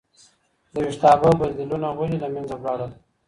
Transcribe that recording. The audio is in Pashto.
د ویښتابه بدلیلونه ولې له منځه لاړل؟